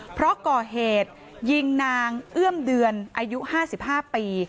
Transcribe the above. เพราะก่อเหตุยิงนางเอื้อมเดือนอายุ๕๕ปี